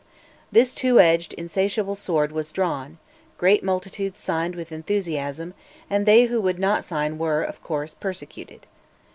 This two edged insatiable sword was drawn: great multitudes signed with enthusiasm, and they who would not sign were, of course, persecuted.